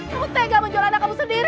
aku tega menjual anak kamu sendiri